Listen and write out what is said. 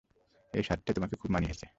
এই শার্টটায় তোমাকে খুব মানিয়েছে।